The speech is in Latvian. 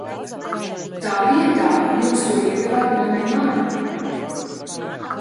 Tā vietā jūs to iedevāt manai mātei!